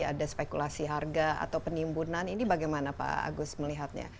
ada spekulasi harga atau penimbunan ini bagaimana pak agus melihatnya